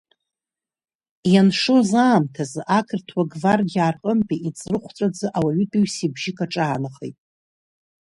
Ианшоз аамҭазы ақырҭуа гвардиаа рҟынтәи иҵрыхәҵәаӡа ауаҩытәҩса ибжьык аҿаанахеит…